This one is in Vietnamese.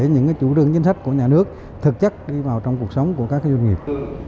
những chủ trương chính sách của nhà nước thực chất đi vào trong cuộc sống của các doanh nghiệp